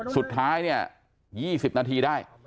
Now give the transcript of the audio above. สุดท้ายเนี่ย๒๐นาทีได้